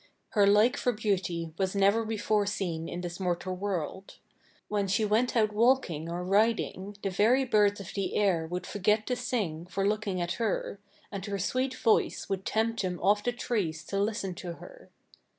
Her like for beauty was never before seen in this mortal world. When she went out walking or riding the very birds of the air would forget to sing for looking at her, and her sweet voice would tempt them off the trees to listen to her.